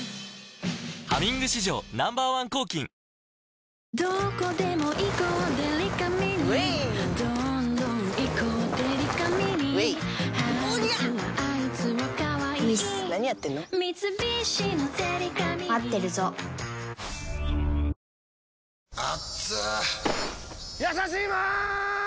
「ハミング」史上Ｎｏ．１抗菌やさしいマーン！！